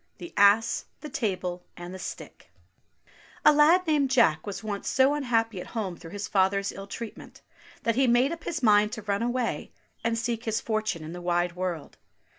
THE ASS, THE TABLE, AND THE STICK A LAD named Jack was once so unhappy at home through his father's ill treatment, that he made up his mind to run away and seek his fortune in the wide world.